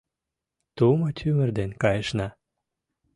Тумо тӱмыр ден кайышна: